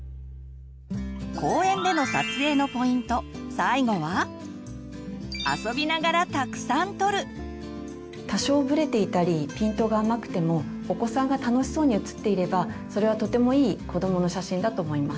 最後は多少ブレていたりピントが甘くてもお子さんが楽しそうに写っていればそれはとてもいい子どもの写真だと思います。